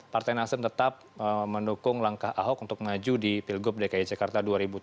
partai nasdem tetap mendukung langkah ahok untuk maju di pilgub dki jakarta dua ribu tujuh belas